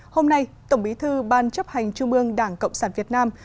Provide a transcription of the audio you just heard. hôm nay tổng bí thư ban chấp hành trung ương đảng cộng sản việt nam